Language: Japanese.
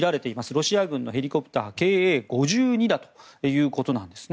ロシア軍のヘリコプターＫａ５２だということなんです。